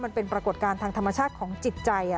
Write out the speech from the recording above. ปรากฏการณ์ทางธรรมชาติของจิตใจ